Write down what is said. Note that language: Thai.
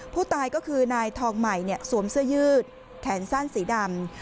ผู้ตายก็คือนายทองใหม่สวมเสื้อยืดแขนสั้นสีดำ